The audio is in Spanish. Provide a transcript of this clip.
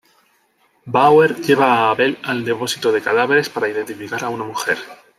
Bauer lleva a Abel al depósito de cadáveres para identificar a una mujer.